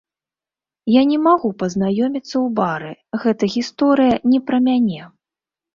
Я не магу пазнаёміцца ў бары, гэта гісторыя не пра мяне.